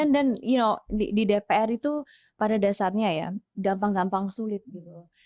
dan you know di dpr itu pada dasarnya ya gampang gampang sulit gitu loh